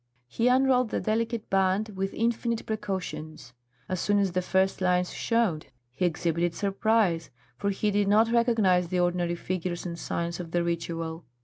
He unrolled the delicate band with infinite precautions. As soon as the first lines showed, he exhibited surprise, for he did not recognise the ordinary figures and signs of the ritual.